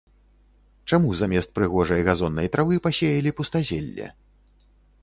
Чаму замест прыгожай газоннай травы пасеялі пустазелле?